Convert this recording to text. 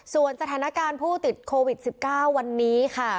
ส่วนสถานการณ์ผู้ติดโควิด๑๙วันนี้ค่ะ